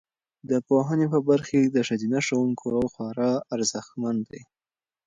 د پوهنې په برخه کې د ښځینه ښوونکو رول خورا ارزښتمن دی.